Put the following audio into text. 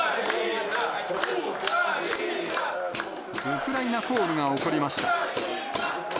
ウクライナコールが起こりました。